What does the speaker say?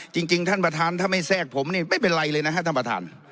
จริงท่านประธานถ้าไม่แทรกผมนี่ไม่เป็นไรเลยนะฮะท่านประธาน